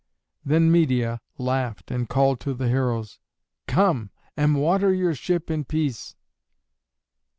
Then Medeia laughed and called to the heroes, "Come and water your ship in peace."